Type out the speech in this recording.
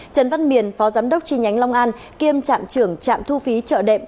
trần văn miền phó giám đốc chi nhánh long an kiêm trạm trưởng trạm thu phí trợ đệm